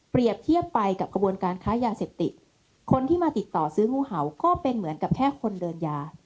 เทียบไปกับกระบวนการค้ายาเสพติดคนที่มาติดต่อซื้องูเห่าก็เป็นเหมือนกับแค่คนเดินยา